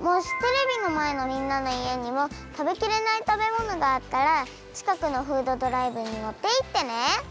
もしテレビのまえのみんなのいえにも食べきれない食べ物があったらちかくのフードドライブに持っていってね。